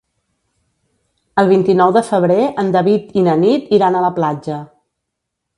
El vint-i-nou de febrer en David i na Nit iran a la platja.